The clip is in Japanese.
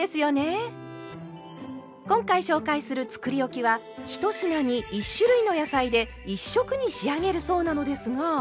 今回紹介するつくりおきは１品に１種類の野菜で１色に仕上げるそうなのですが。